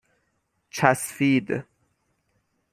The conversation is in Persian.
چَسفید